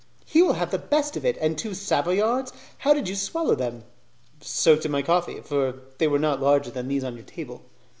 "He will have the best of it! And the two 'Savoyards', how did you swallow them?" "Soaked in my coffee, for they were not larger than these on your table."